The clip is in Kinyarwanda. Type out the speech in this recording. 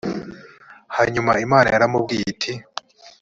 hanyuma imana yaramubwiye iti